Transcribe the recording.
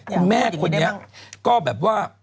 คุณหมอโดนกระช่าคุณหมอโดนกระช่า